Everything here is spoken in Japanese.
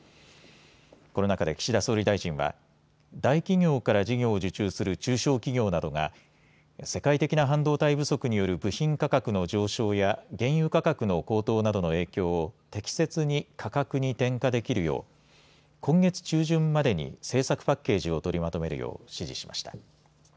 この中で岸田総理大臣は大企業から事業を受注する中小企業などが世界的な半導体不足による部品価格の上昇や原油価格の高騰などの影響を適切に価格に転嫁できるよう今月中旬までに政策パッケージを取りまとめるよう指示しました。